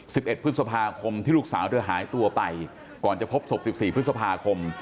สิบเอ็ดพฤษภาคมที่ลูกสาวเธอหายตัวไปก่อนจะพบศพสิบสี่พฤษภาคม